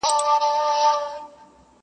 خیال دي راځي خو لکه خوب غوندي په شپه تېرېږي٫